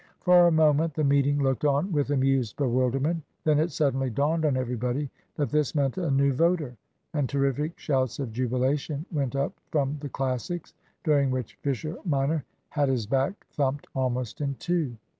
For a moment the meeting looked on with amused bewilderment. Then it suddenly dawned on everybody that this meant a new voter; and terrific shouts of jubilation went up from the Classics; during which Fisher minor had his back thumped almost in two.